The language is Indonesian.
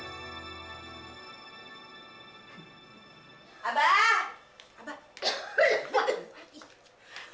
hai aba hai abang